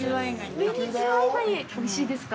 おいしいですか？